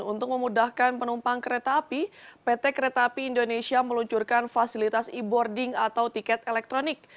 untuk memudahkan penumpang kereta api pt kereta api indonesia meluncurkan fasilitas e boarding atau tiket elektronik